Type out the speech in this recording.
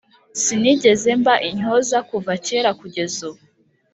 sinigeze mba intyoza kuva kera kugeza ubu